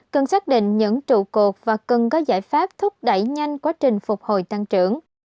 cần xác định những trụ cột và cần có giải pháp thúc đẩy nhanh quá trình phục hồi tăng trưởng